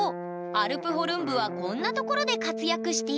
アルプホルン部はこんなところで活躍している。